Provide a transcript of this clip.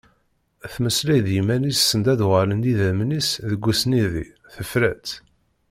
Temmeslay d yimman-is send a d-uɣalen idammen-is deg usnidi, tefra-tt…